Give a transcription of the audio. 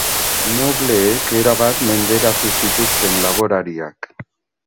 Nobleek erabat menderatu zituzten laborariak.